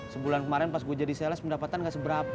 sebulan kemarin pas gue jadi sales pendapatan gak seberapa